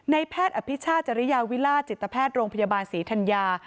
แพทย์อภิชาจริยาวิล่าจิตแพทย์โรงพยาบาลศรีธัญญา